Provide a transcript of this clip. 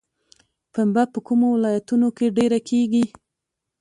پنبه په کومو ولایتونو کې ډیره کیږي؟